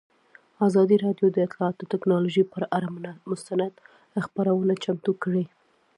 ازادي راډیو د اطلاعاتی تکنالوژي پر اړه مستند خپرونه چمتو کړې.